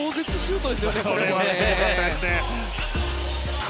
これはすごかったですね。